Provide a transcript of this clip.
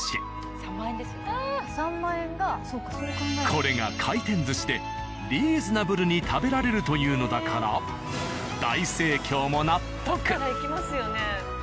これが回転寿司でリーズナブルに食べられるというのだから大盛況も納得。